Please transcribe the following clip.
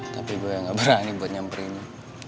tapi gue gak berani buat nyamperin